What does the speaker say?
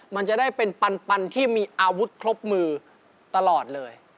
มันจะได้เป็นปันที่มีอาวุธครบมือตลอดเลย